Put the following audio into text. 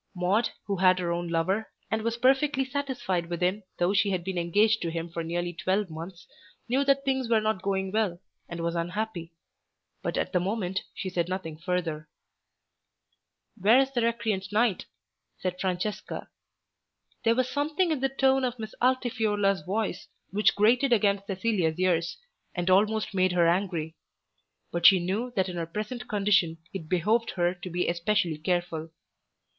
Maude who had her own lover, and was perfectly satisfied with him though she had been engaged to him for nearly twelve months, knew that things were not going well, and was unhappy. But at the moment she said nothing further. "Where is this recreant knight?" said Francesca. There was something in the tone of Miss Altifiorla's voice which grated against Cecilia's ears, and almost made her angry. But she knew that in her present condition it behoved her to be especially careful.